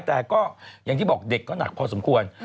แต่ก็อย่างที่บอกเด็กก็หนักพอสมควร